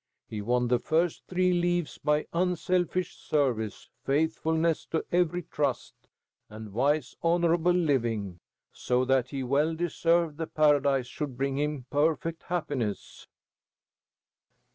He won the first three leaves by unselfish service, faithfulness to every trust, and wise, honorable living, so that he well deserved that Paradise should bring him perfect happiness."